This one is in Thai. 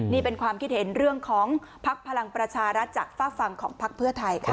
นี่เป็นความคิดเห็นเรื่องของภักดิ์พลังประชารัฐจากฝากฝั่งของพักเพื่อไทยค่ะ